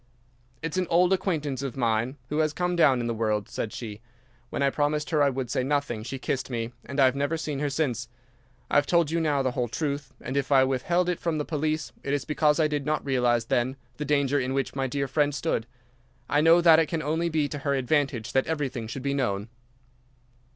"'"It's an old acquaintance of mine who has come down in the world," said she. When I promised her I would say nothing she kissed me, and I have never seen her since. I have told you now the whole truth, and if I withheld it from the police it is because I did not realize then the danger in which my dear friend stood. I know that it can only be to her advantage that everything should be known.